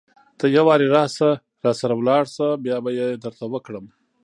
ته يوارې راسره لاړ شه بيا به يې درته وکړم.